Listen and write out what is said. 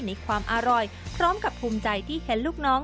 ในความอร่อยพร้อมกับภูมิใจที่เห็นลูกน้อง